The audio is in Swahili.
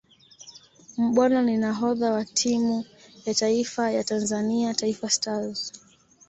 Mbwana ni nahodha wa timu ya taifa ya Tanzania Taifa Stars